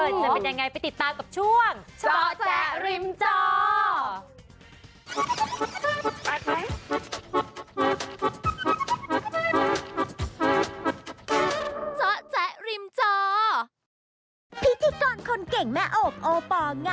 จะเป็นยังไงไปติดตามกับช่วง